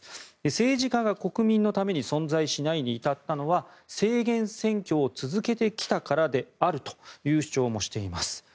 政治家が国民のために存在しないに至ったのは制限選挙を続けてきたからであるという主張もしています。